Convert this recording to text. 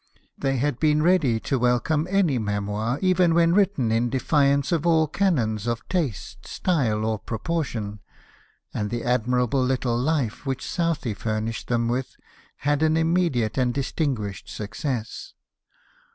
They had been ready to welcome any memoir, even when written in defiance of all canons of taste, style, or proportion ; and the admirable little Life Avhich Southey furnished them with had an immediate and distinguished success.